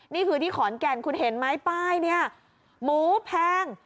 นี่คือที่ขอนแก่นคุณเห็นไหมป้ายนี้หมูแพง